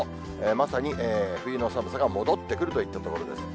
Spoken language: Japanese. まさに冬の寒さが戻ってくるといったところです。